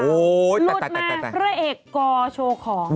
ลูดมาเพื่อเอกกอโชว์ของ